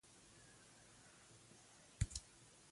زما د زوى خون بها کې